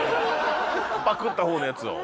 パクった方のやつを。